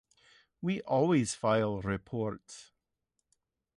We always file reports.